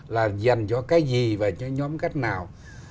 là dành cho cái gì và cho nhóm cách nào